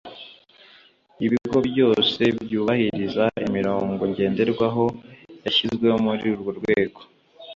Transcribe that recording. ibigo byose byubahiriza imirongo ngenderwaho yashyizweho muri urwo rwego.